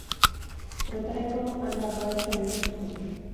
Horretarako hainbat dohaintza egin zizkion.